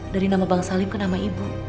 dari nama bang salim ke nama ibu